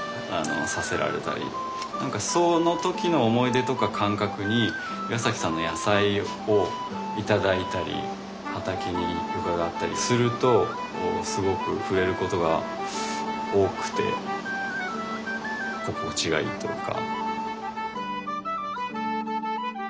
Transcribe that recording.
その時の思い出とか感覚に岩さんの野菜を頂いたり畑に伺ったりするとすごく触れることが多くて心地がいいというか。